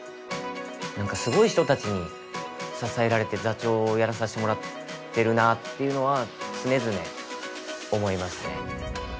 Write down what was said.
何かすごい人達に支えられて座長をやらさしてもらってるなっていうのは常々思いますね